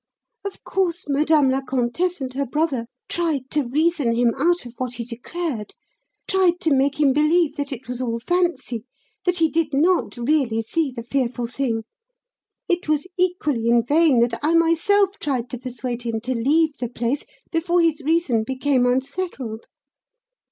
Of course, Madame la Comtesse and her brother tried to reason him out of what he declared, tried to make him believe that it was all fancy that he did not really see the fearful thing; it was equally in vain that I myself tried to persuade him to leave the place before his reason became unsettled.